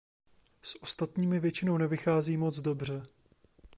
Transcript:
S ostatními většinou nevychází moc dobře.